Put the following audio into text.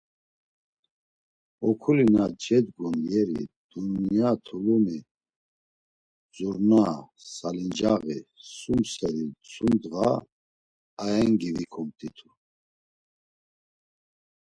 Okuli na cedgun yeri dunya t̆ulum, zurna, salincaği, sum seri sum ndğa aengi vikumt̆itu.